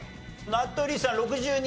名取さん６２。